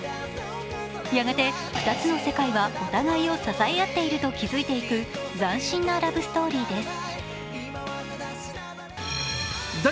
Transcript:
やがて２つの世界はお互いを支え合っていると気づいていく斬新なラブストーリーです。